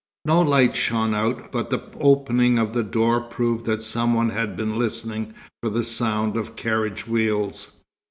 No light shone out, but the opening of the door proved that some one had been listening for the sound of carriage wheels.